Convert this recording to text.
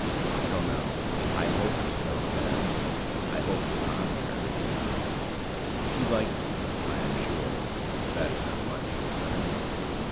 I don't know. I hoped so then. I hope the contrary now. She liked me I am sure. That is not much to say.